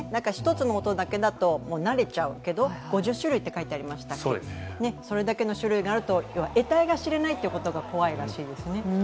１つの音だけだと慣れちゃうけど、５０種類と書いてありましたが、それだけの種類があるとえたいが知れないということが怖いらしいですね。